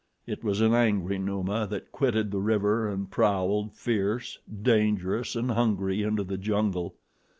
It was an angry Numa that quitted the river and prowled, fierce, dangerous, and hungry, into the jungle.